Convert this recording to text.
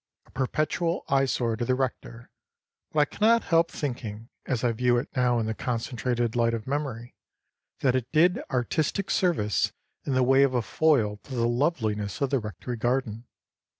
A perpetual eyesore to the rector; but I cannot help thinking, as I view it now in the concentrated light of memory, that it did artistic service in the way of a foil to the loveliness of the rectory garden.